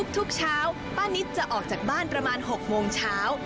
ทุกเช้าป้านิตจะออกจากบ้านประมาณ๖โมงเช้า